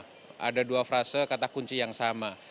jadi sudah ada kata kata kunci yang sama